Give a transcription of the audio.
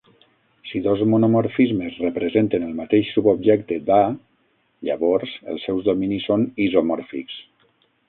Si dos monomorfismes representen el mateix subobjecte d' "A", llavors els seus dominis són isomòrfics.